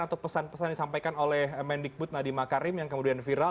atau pesan pesan yang disampaikan oleh mendikbud nadima karim yang kemudian viral